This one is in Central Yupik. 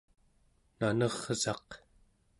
nanersaq